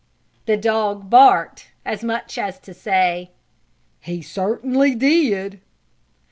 The dog barked as much as to say: "He certainly did!"